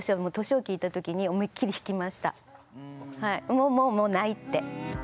もうもうもうないって。